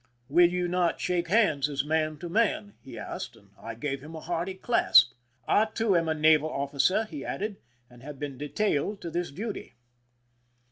"Will you not shake hands, as man to man?" he asked; and I gave him a hearty clasp. '^I too am a naval officer," he added, " and have been detailed to this duty."